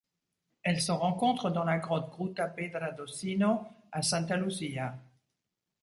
Elle se rencontre dans la grotte Gruta Pedra do Sino à Santa Luzia.